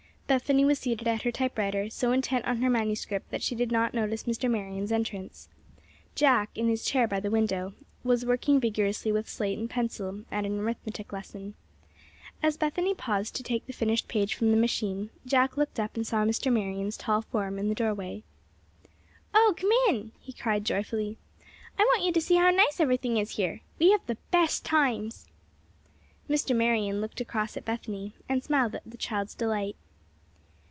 Bethany was seated at her typewriter, so intent on her manuscript that she did not notice Mr. Marion's entrance. Jack, in his chair by the window, was working vigorously with slate and pencil at an arithmetic lesson. As Bethany paused to take the finished page from the machine, Jack looked up and saw Mr. Marion's tall form in the doorway. "O, come in!" he cried, joyfully. "I want you to see how nice everything is here. We have the best times." Mr. Marion looked across at Bethany, and smiled at the child's delight.